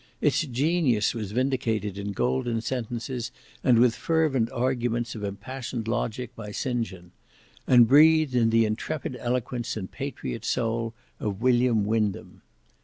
Its genius was vindicated in golden sentences and with fervent arguments of impassioned logic by St John; and breathed in the intrepid eloquence and patriot soul of William Wyndham.